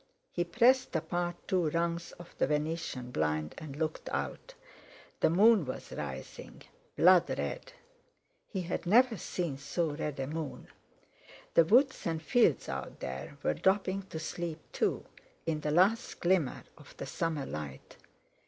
He pressed apart two rungs of the venetian blind and looked out. The moon was rising, blood red. He had never seen so red a moon. The woods and fields out there were dropping to sleep too, in the last glimmer of the summer light.